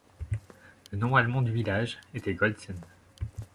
Le nom allemand du village était Goltzen.